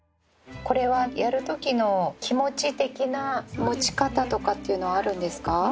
これはやるときの気持ち的な持ち方とかっていうのはあるんですか？